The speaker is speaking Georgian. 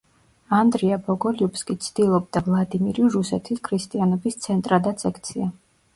ანდრია ბოგოლიუბსკი ცდილობდა ვლადიმირი რუსეთის ქრისტიანობის ცენტრადაც ექცია.